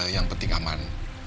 yang penting aman